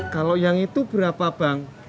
kalau yang itu berapa bang